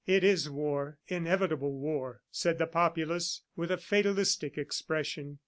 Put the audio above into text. "It is war, inevitable war," said the populace with a fatalistic expression.